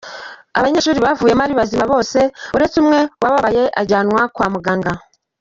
Abanyeshuri bavuyemo ari bazima bose uretse umwe wababaye ajyanwa kwa muganga.